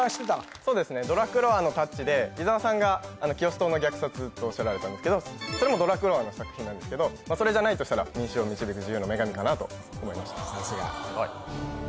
そうですねドラクロワのタッチで伊沢さんが「キオス島の虐殺」とおっしゃられたんですけどそれもドラクロワの作品なんですけどそれじゃないとしたら「民衆を導く自由の女神」かなと思いました